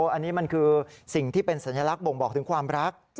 อันนี้มันคือสิ่งที่เป็นสัญลักษณ์บ่งบอกถึงความรัก